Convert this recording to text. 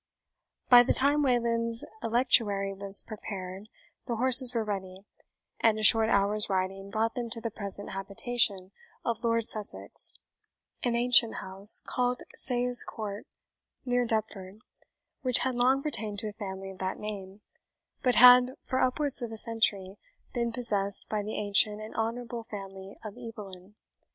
By the time Wayland's electuary was prepared the horses were ready, and a short hour's riding brought them to the present habitation of Lord Sussex, an ancient house, called Sayes Court, near Deptford, which had long pertained to a family of that name, but had for upwards of a century been possessed by the ancient and honourable family of Evelyn.